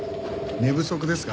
寝不足ですか？